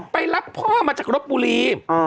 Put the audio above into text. ไปรับพ่อมาจากรบบุรี